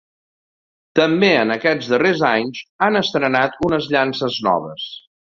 També en aquests darrers anys han estrenat unes llances noves.